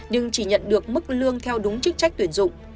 nhưng chỉ nhận được mức lương theo đúng chức trách tuyển dụng